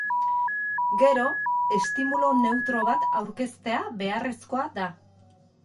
Gero, estimulu neutro bat aurkeztea beharrezkoa da.